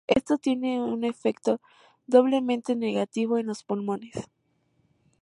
Esto tiene un efecto doblemente negativo en los pulmones.